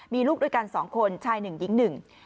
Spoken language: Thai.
มีลูกด้วยกัน๒คนชาย๑ยิง๑